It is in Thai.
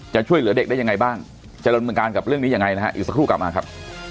ช่วยเหลือเด็กได้ยังไงบ้างจะดำเนินการกับเรื่องนี้ยังไงนะฮะอีกสักครู่กลับมาครับ